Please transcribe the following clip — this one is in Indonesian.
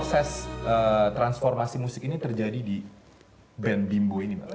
proses transformasi musik ini terjadi di band bimbo ini mbak